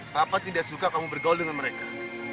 papa tidak suka kamu bergaul dengan mereka